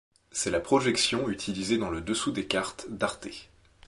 C'est la projection utilisée dans le dessous des cartes d'Arte.